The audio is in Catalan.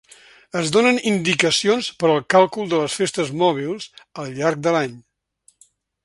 Es donen indicacions per al càlcul de les festes mòbils al llarg de l'any.